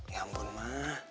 ya ampun ma